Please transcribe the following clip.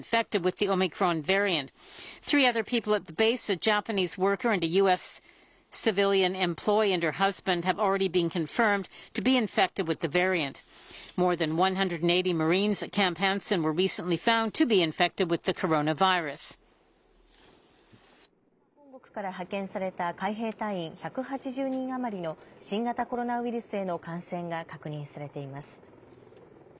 キャンプ・ハンセンでは最近、アメリカ本国から派遣された海兵隊員１８０人余りの新型コロナウイルスへの感染が確認されています。